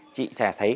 chị sẽ thấy